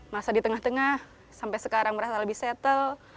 masa di tengah tengah sampai sekarang merasa lebih settle